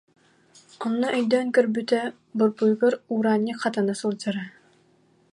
Онно өй- дөөн көрбүтэ: борбуйугар Ураанньык хатана сылдьара